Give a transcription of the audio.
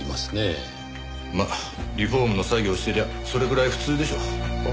まあリフォームの作業してりゃそれくらい普通でしょ。